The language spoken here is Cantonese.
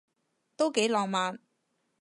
都幾浪漫